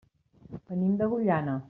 Venim d'Agullana.